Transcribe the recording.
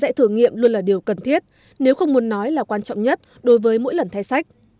dạy thử nghiệm luôn là điều cần thiết nếu không muốn nói là quan trọng nhất đối với mỗi lần thay sách